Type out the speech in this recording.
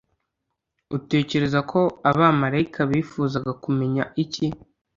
Utekereza ko abamarayika bifuzaga kumenya iki